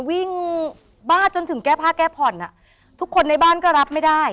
บ้าจนถึงแก้ผ้าแก้ผ่อนอ่ะทุกคนในบ้านก็รับไม่ได้